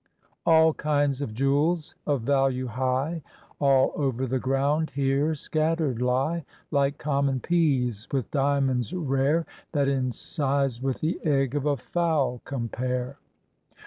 All kinds of jewels of value high All over the ground here scattered lie Like common peas, with diamonds rare. That in size with the egg of a fowl compare.